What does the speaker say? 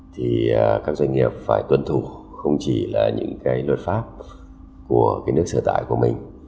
thì các doanh nghiệp phải tuân thủ không chỉ là những cái luật pháp của cái nước sửa tải của mình